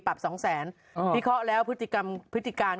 ปรับสองแสนพี่เพราะแล้วพฤติการ